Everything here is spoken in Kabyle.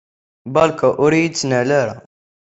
Beṛka ur iyi-d-ttnal ara.